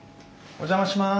お邪魔します！